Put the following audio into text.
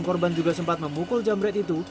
korban juga sempat memukul jamret itu